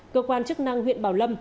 cơ quan chức năng huyện bảo lâm